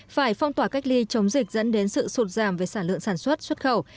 phải phong tỏa cách ly chống dịch dẫn đến sự sụt giảm về sản lượng sản xuất xuất khẩu